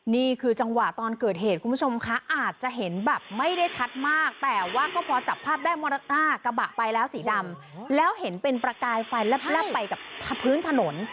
นี่คือจังหวะตอนเกิดเหตุคุณผู้ชมคะอาจจะเห็นแบบไม่ได้ชัดมากแต่ว่าก็พอจับภาพได้มอเตอร์กระบะไปแล้วสีดำแล้วเห็นเป็นประกายไฟแลบไปกับพื้นถนน